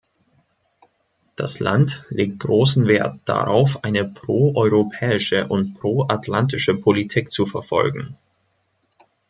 Das Land legt großen Wert darauf, eine pro-europäische und pro-atlantische Politik zu verfolgen.